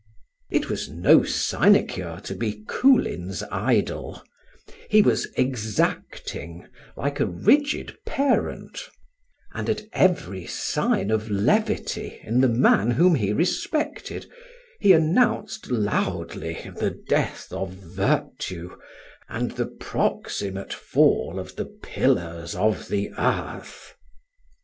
It was no sinecure to be Coolin's idol; he was exacting like a rigid parent; and at every sign of levity in the man whom he respected, he announced loudly the death of virtue and the proximate fall of the pillars of the earth.